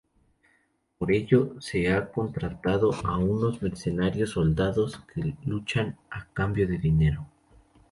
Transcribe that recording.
Para ello ha contratado a unos mercenarios, soldados que luchan a cambio de dinero.